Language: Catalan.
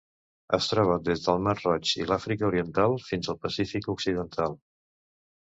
Es troba des del mar Roig i l'Àfrica Oriental fins al Pacífic occidental.